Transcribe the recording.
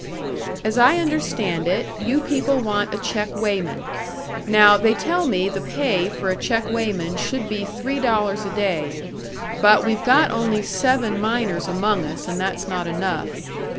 "As I understand it, you people want a check weighman. Now, they tell me the pay for a check weighman should be three dollars a day, but we've got only seven miners among us, and that's not enough.